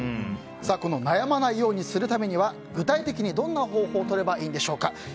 悩まないようにするためには具体的にどんな方法をとればいいんでしょうか。